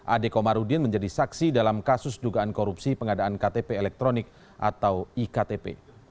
ade komarudin menjadi saksi dalam kasus dugaan korupsi pengadaan ktp elektronik atau iktp